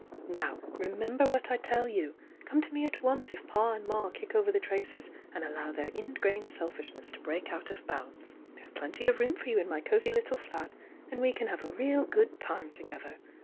Now remember what I tell you ! Come to me at once if Pa and Ma kick over the traces and allow their ingrained selfishness to break out of bounds. There s plenty of room for you in my cosy little flat ^d we can have a real good time together.